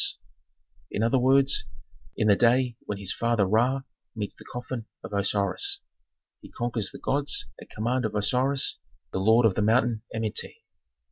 In other words, in the day when his father Ra meets the coffin of Osiris. He conquers the gods at command of Osiris, the lord of the mountain Amenti.